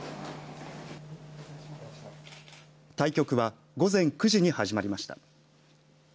対局は午前９時に始まりました。